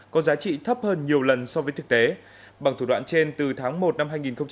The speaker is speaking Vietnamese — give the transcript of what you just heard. có giá trị thấp hơn nhiều lần so với thực tế bằng thủ đoạn trên từ tháng một năm hai nghìn một mươi chín